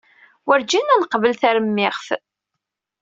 Wurǧin ad neqbel taremmiɣt.